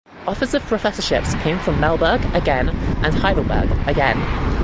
Offers of professorships came from Marburg (again) and Heidelberg (again).